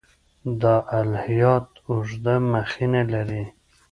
دا الهیات اوږده مخینه لري.